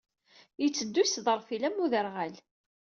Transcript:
Yetteddu yesdeṛfil am uderɣal.